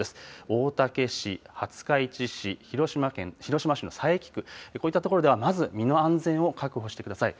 大竹市、廿日市市、広島県広島市の佐伯区、こういった所ではまず、身の安全を確保してください。